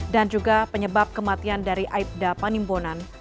dan juga penyebab kematian dari aibda panimbonan